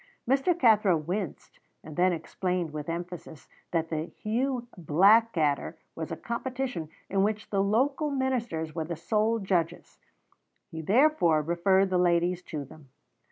Mr. Cathro winced, and then explained with emphasis that the Hugh Blackadder was a competition in which the local ministers were the sole judges; he therefore referred the ladies to them.